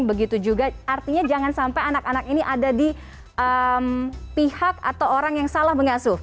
begitu juga artinya jangan sampai anak anak ini ada di pihak atau orang yang salah mengasuh